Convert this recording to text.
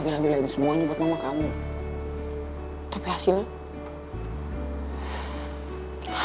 ngebilang semua yang kamu tapi hasilnya